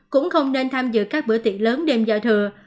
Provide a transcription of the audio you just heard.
cũng không nên tham dự các bữa tiệc lớn đêm giao thừa